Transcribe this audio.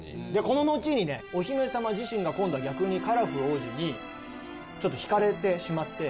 こののちにねお姫様自身が今度は逆にカラフ王子にちょっと惹かれてしまって。